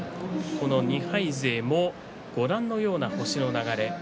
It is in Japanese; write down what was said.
この２敗勢もご覧のような星の流れ。